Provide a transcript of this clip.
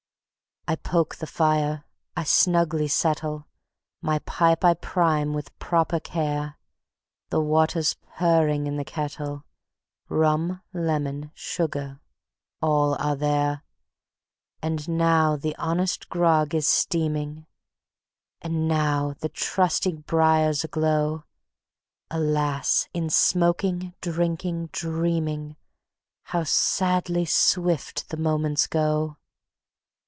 I poke the fire, I snugly settle, My pipe I prime with proper care; The water's purring in the kettle, Rum, lemon, sugar, all are there. And now the honest grog is steaming, And now the trusty briar's aglow: Alas! in smoking, drinking, dreaming, How sadly swift the moments go!